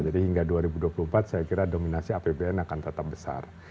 jadi hingga dua ribu dua puluh empat saya kira dominasi apbn akan tetap besar